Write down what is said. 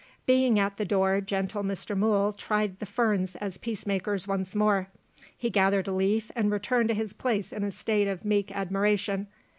Being at the door, gentle Mr. Mool tried the ferns as peace makers once more. He gathered a leaf, and returned to his place in a state of meek admiration.